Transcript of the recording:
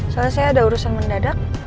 soalnya saya ada urusan mendadak